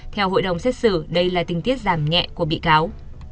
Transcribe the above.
theo hội đồng xét xử đây là tình tiết giảm nhẹ của bị cáo